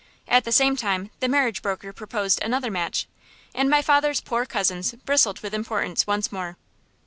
At the same time the marriage broker proposed another match; and my father's poor cousins bristled with importance once more.